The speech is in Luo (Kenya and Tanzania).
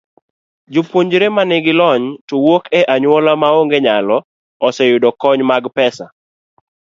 Jopuonjre ma nigi lony to wuok e anyuola maonge nyalo, oseyudo kony mag pesa.